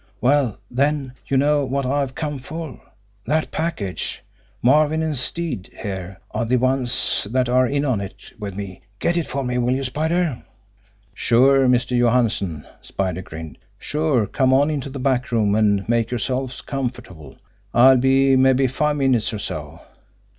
Well, then, you know what I've come for that package Marvin and Stead, here, are the ones that are in on it with me. Get it for me, will you, Spider?" "Sure Mr. Johansson!" Spider grinned. "Sure! Come on into the back room and make yourselves comfortable. I'll be mabbe five minutes, or so."